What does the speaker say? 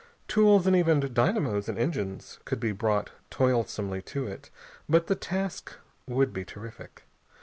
Tools, and even dynamos and engines, could be brought toilsomely to it, but the task would be terrific.